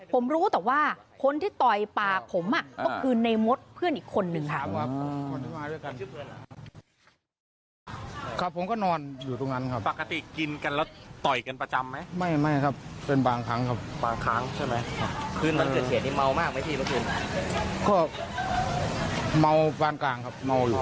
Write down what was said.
ผมรู้แต่ว่าคนที่ต่อยปากผมก็คือในมดเพื่อนอีกคนนึงครับ